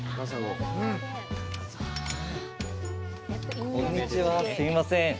すいません。